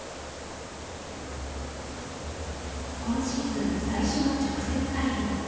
今シーズン最初の直接対決。